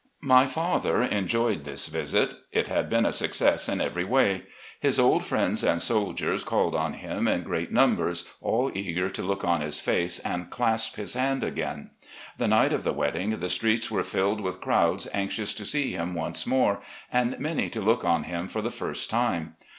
My father enjoyed this visit. It had been a success in every way. His old friends and soldiers called on him in great numbers, all eager to look on his face and clasp his hand again. The night of the wedding, the streets were filled with crowds anxious to see him once more, and many to look on him for the first time.